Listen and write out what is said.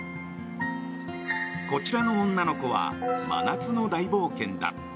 こちらの女の子は真夏の大冒険だ。